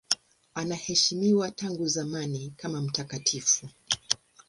Anaheshimiwa tangu zamani kama mtakatifu.